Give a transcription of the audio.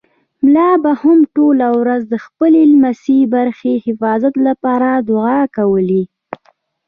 ملا به هم ټوله ورځ د خپلې لسمې برخې حفاظت لپاره دعاګانې کولې.